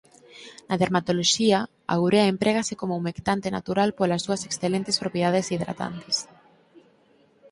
Na dermatoloxía a urea emprégase como humectante natural polas súas excelentes propiedades hidratantes.